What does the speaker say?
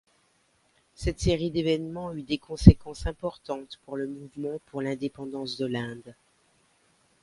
Cette série d'événements eut des conséquences importantes pour le mouvement pour l'indépendance de l'Inde.